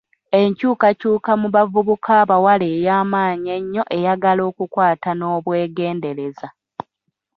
Enkyukakyuka mu bavubuka abawala ey'amaanyi ennyo eyagala okukwata n'obwegendereza.